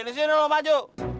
disini loh maju